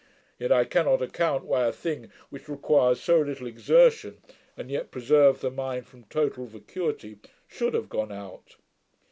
Yet I cannot account, why a thing which requires so little exertion, and yet preserves the mind from total vacuity, should have gone out.